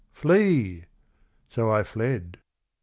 Flee I" So I fled.'"